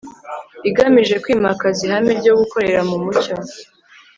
igamije kwimakaza ihame ryo gukorera mu mucyo